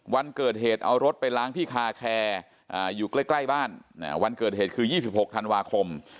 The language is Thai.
วันเกิดเหตุเอารถไปล้างที่คาแคร์อยู่ใกล้บ้านวันเกิดเหตุคือ๒๖ธันวาคม